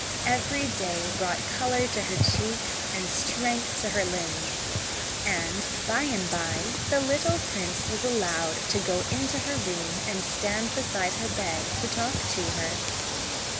Every day brought color to her cheeks, and strength to her limbs, and by and by the little prince was allowed to go into her room and stand beside her bed to talk to her.